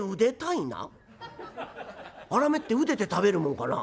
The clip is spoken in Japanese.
あらめってうでて食べるもんかな？